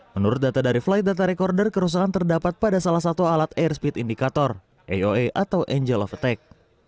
menurut data dari flight data recorder kerusakan terdapat pada salah satu alat airspeed indicator aoe atau angel of attack